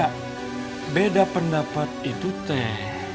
tidak beda pendapat itu teh